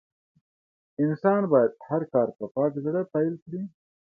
انسان بايد هر کار په پاک زړه پيل کړي.